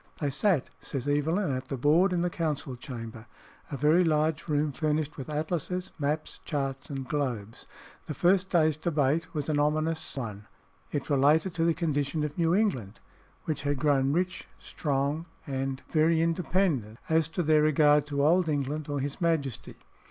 They sat, says Evelyn, at the board in the council chamber, a very large room furnished with atlases, maps, charts, and globes. The first day's debate was an ominous one: it related to the condition of New England, which had grown rich, strong, and "very independent as to their regard to Old England or his majesty.